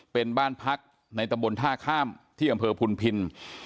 เป็นบ้านพักในตำบลท่าข้ามที่อำเภอพุนพิน